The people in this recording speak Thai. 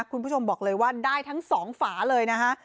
คุณผู้ชมบอกเลยว่าได้ทั้งสองฝาเลยนะฮะ